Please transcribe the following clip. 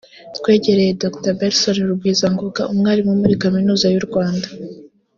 twegereye Dr Belson Rugwizangoga umwarimu muri Kaminuza y’u Rwanda